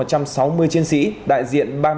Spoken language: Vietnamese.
trong một trăm sáu mươi chiến sĩ đại diện